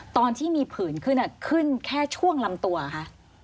ตอนที่มีผื่นขึ้นขึ้นแค่ช่วงลำตัวเหรอคะ